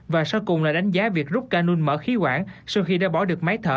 và sau cùng là đánh giá việc rút canun mở khí quản sau khi đã bỏ được máy thở